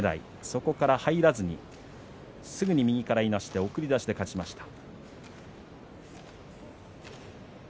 そこから入らずにすぐに右からいなして送り出して勝ちました。